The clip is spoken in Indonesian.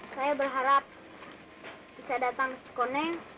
saya berharap bisa datang kecekoneng